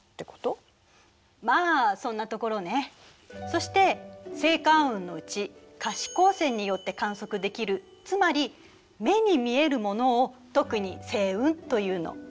そして星間雲のうち可視光線によって観測できるつまり目に見えるものを特に星雲というの。